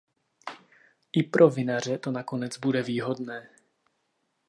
I pro vinaře to nakonec bude výhodné.